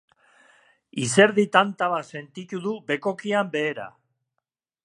Izerdi tanta bat sentitu du bekokian behera.